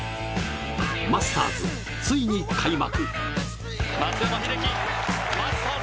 マスターズ、ついに開幕！